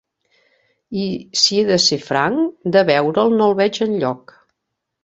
I, si he de ser franc, de veure'l no el veig enlloc.